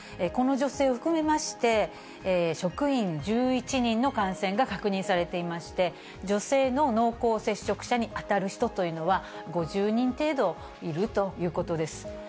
この女性を含めまして、職員１１人の感染が確認されていまして、女性の濃厚接触者に当たる人というのは、５０人程度いるということです。